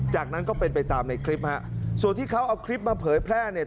จากนั้นก็เป็นไปตามในคลิปฮะส่วนที่เขาเอาคลิปมาเผยแพร่เนี่ย